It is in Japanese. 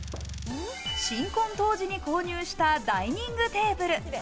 新婚当時に購入したダイニングテーブル。